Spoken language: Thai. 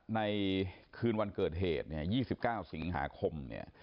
ในคืนวันเกิดเหตุ๒๙สิงหาคม